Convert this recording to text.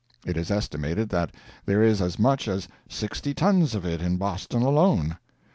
It is estimated that there is as much as sixty tons of it in Boston alone.